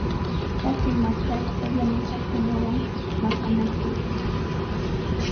Shatu matrashqa yanasankunawan maqanakushqa.